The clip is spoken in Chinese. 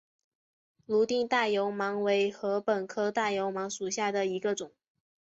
泸定大油芒为禾本科大油芒属下的一个种。